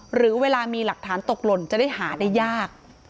หรือเวลามีหลักฐานตกหล่นจะได้หาได้ยาก